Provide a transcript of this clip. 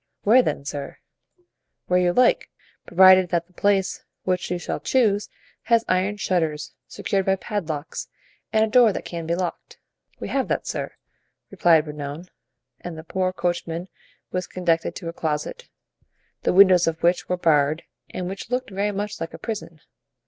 "Where, then, sir?" "Where you like, provided that the place which you shall choose has iron shutters secured by padlocks and a door that can be locked." "We have that, sir," replied Bernouin; and the poor coachman was conducted to a closet, the windows of which were barred and which looked very much like a prison.